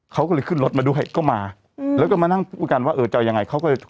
เขาก็เลยขึ้นรถมาด้วยก็มาอืมแล้วก็มานั่งพูดกันว่าเออจะเอายังไงเขาก็จะ